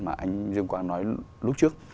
mà anh dương quang nói lúc trước